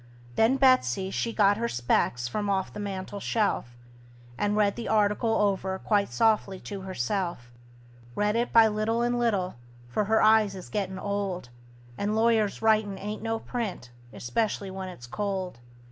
Then Betsey she got her specs from off the mantel shelf, And read the article over quite softly to herself; Read it by little and little, for her eyes is gettin' old, And lawyers' writin' ain't no print, especially when it's cold.